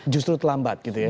justru terlambat gitu ya